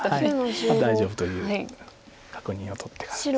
まあ大丈夫という確認を取ってからです。